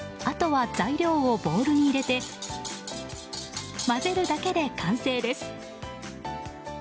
あとは材料をボウルに入れて混ぜるだけで完成です。